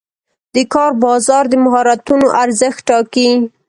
د کار بازار د مهارتونو ارزښت ټاکي.